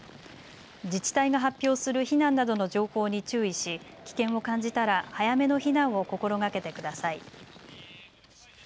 自治体が発表する避難などの情報に注意し、危険を感じたら早めの避難を心がけてください。